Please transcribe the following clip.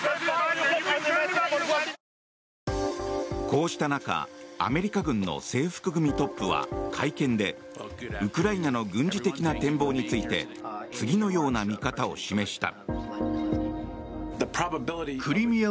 こうした中、アメリカ軍の制服組トップは会見でウクライナの軍事的な展望について次のような見方を示した。